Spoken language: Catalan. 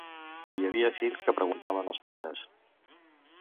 Hi havia fills que preguntaven als pares.